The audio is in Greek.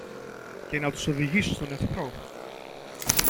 και να τους οδηγήσω στον εχθρό.